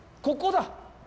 ここだ！